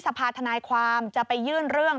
สภาธนายความจะไปยื่นเรื่อง